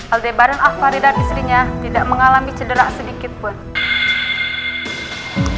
aldebaran akhvari dan istrinya tidak mengalami cedera sedikit pun